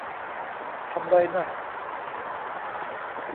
ทำไรน่ะ